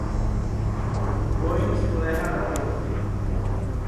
Boeing spoléhá na piloty.